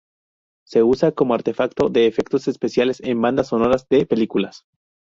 Se usa como artefacto de efectos especiales en bandas sonoras de películas.